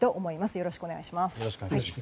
よろしくお願いします。